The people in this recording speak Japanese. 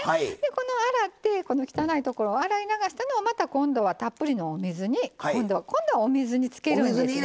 この洗って汚いところを洗い流したのをまた今度はたっぷりのお水に今度はお水につけるんですね。